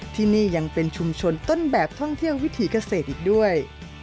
ที่นี่ยังเป็นชุมชนต้นแบบท่องเที่ยววิถีเกษตรอีกด้วย